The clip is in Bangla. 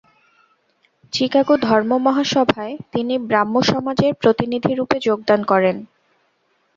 চিকাগো ধর্মমহাসভায় তিনি ব্রাহ্মসমাজের প্রতিনিধিরূপে যোগদান করেন।